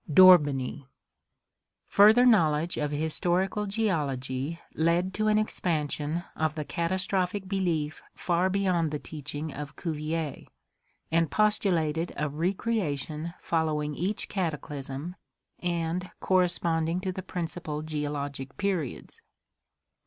D'Orbigny, — Further knowledge of historical geology led to an expansion of the catastrophic belief far beyond the teaching of Cuvier, and postulated a re creation following each cataclysm and corresponding to the principal geologic periods.